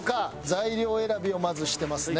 材料選びをまずしてますね。